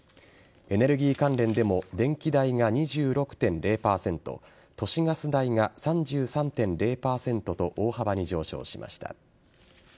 エネルギー関連でも電気代が２６．０％都市ガス代が３３．０％と大幅に上昇しました。